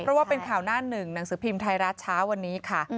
เพราะว่าเป็นข่าวหน้าหนึ่งหนังสือพิมพ์ไทยรัฐเช้าวันนี้ค่ะ